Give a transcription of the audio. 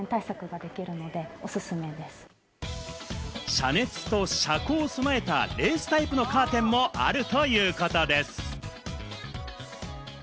遮熱と遮光を備えたレースタイプのカーテンもあるということです。